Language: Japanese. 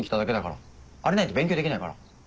あれないと勉強できないから。